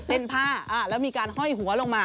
ผ้าแล้วมีการห้อยหัวลงมา